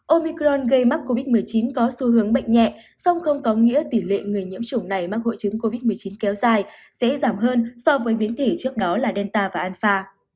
omicron gây mắc covid một mươi chín có xu hướng bệnh nhẹ song không có nghĩa tỷ lệ người nhiễm chủng này mắc hội chứng covid một mươi chín kéo dài sẽ giảm hơn so với biến tỷ trước đó là delta và alfa